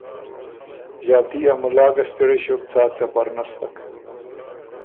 ݫاتي ا مُلا ګه ستړئ ݭیوک څاک څپر نستک۔